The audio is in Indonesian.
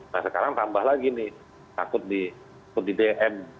nah sekarang tambah lagi nih takut di dm